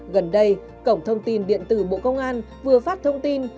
gần đây cổng thông tin điện tử bộ công an vừa phát thông tin